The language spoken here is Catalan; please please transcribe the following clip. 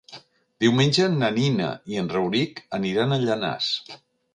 Diumenge na Nina i en Rauric aniran a Llanars.